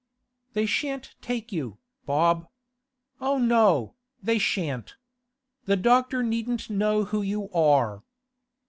'They shan't take you, Bob. Oh no, they shan't. The doctor needn't know who you are.